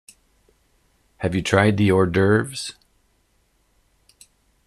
Have you tried the hor d'oeuvres?